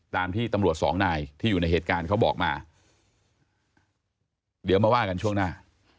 ตามที่ตำรวจสองนายที่อยู่ในเหตุการณ์เขาบอกมาเดี๋ยวมาว่ากันช่วงหน้า